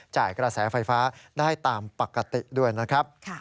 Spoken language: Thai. กระแสไฟฟ้าได้ตามปกติด้วยนะครับ